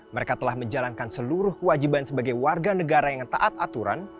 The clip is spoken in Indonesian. mereka telah menjalankan seluruh kewajiban sebagai warga negara yang taat aturan